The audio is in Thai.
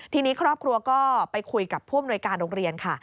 ทีนี้ครอบครัวก็ไปคุยกับผู้อำนวยการโรงเรียนค่ะ